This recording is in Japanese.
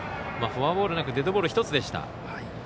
フォアボールなくデッドボール１つでした。